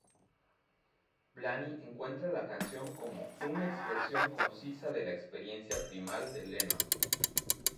Blaney encuentra la canción como "una expresión concisa de la experiencia primal de Lennon".